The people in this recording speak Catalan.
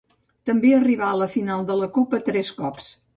També arribà a la final de la copa tres cops.